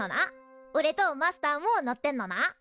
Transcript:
おれとマスターも乗ってんのな。